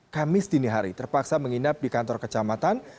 kamis dini hari terpaksa menginap di kantor kecamatan